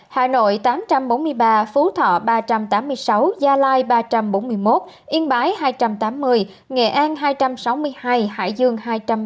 hà nội tám trăm bốn mươi ba phú thọ ba trăm tám mươi sáu gia lai ba trăm bốn mươi một yên bái hai trăm tám mươi nghệ an hai trăm sáu mươi hai hải dương hai trăm ba mươi